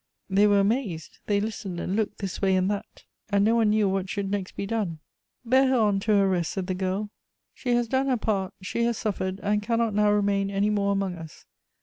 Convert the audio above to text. They were amazed ; they listened and looked this way and that, and no one knew what should next be done. " Bear her on to her rest," said the girl. " She has done her part; she has suffered, and cannot now remain any more among us."